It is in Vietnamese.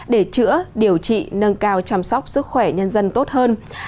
để chữa điều trị nâng cao chăm sóc sức khỏe nhân dân tốt hơn